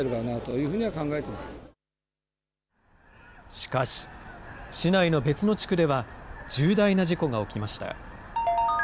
しかし、市内の別の地区では、重大な事故が起きました。